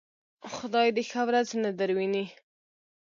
خدای دې ښه ورځ نه درويني.